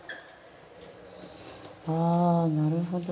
あなるほど。